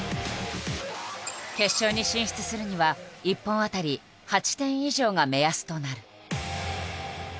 決勝に進出するには１本当たり８点以上が目安となる。